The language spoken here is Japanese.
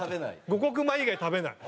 五穀米以外食べない。